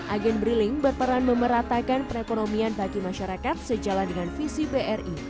agen briling berperan memeratakan perekonomian bagi masyarakat sejalan dengan visi bri